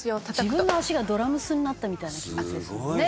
自分の足がドラムスになったみたいな気持ちですもんね。